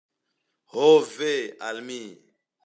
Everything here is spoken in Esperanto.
Ho ve al mi!